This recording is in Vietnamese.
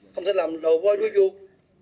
không thể làm đầu voi đuôi chuột